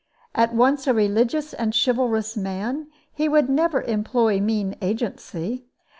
At once a religious and chivalrous man, he would never employ mean agency.